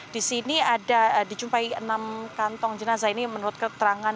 di sini ada dijumpai enam kantong jenazah ini menurut keterangan